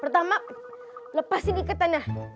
pertama lepasin ikatan ya